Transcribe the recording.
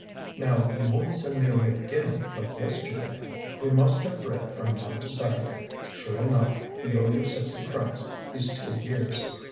"Now you won't send me away again, like yesterday. We must have bread from now to Saturday. Sure enough, we owe you sixty francs these two years."